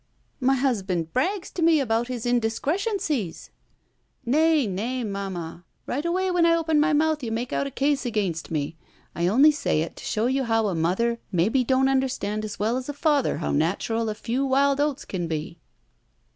''My husband brags to me about his indiscre tioncies." 'Wa, na, Mamma, right away when I op^i my mouth you make out a case against me. I only say it to show you how a mother maybe don't under stand as well as a father how natural a few wild oats can be."